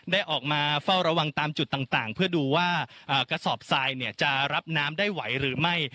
ได้ออกมาเฝ้าระวังตามจุดต่างเพื่อดูว่ากระสอบทรายจะรับน้ำได้ไหวหรือไม่